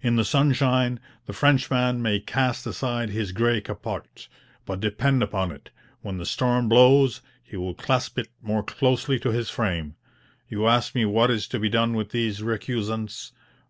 In the sunshine, the Frenchman may cast aside his grey capote; but, depend upon it, when the storm blows, he will clasp it more closely to his frame. You ask me what is to be done with these recusants?